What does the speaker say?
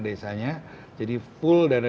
desanya jadi full dana